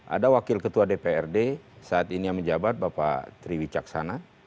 ada wakil ketua dprd saat ini yang menjabat bapak triwi caksana